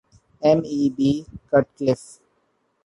M. E. B. Cutcliffe.